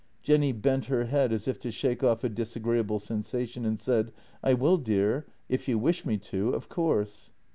Jenny bent her head as if to shake off a disagreeable sensa tion, and said: " I will, dear, if you wish me to — of course."